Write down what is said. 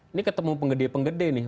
ini ketemu penggede penggede nih